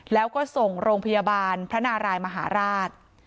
แล้วก็ส่งโรงพยาบาลพระนารายมหาราช